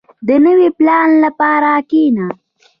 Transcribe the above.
• د نوي پلان لپاره کښېنه.